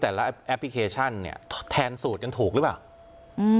แอปพลิเคชันเนี้ยแทนสูตรยังถูกหรือเปล่าอืม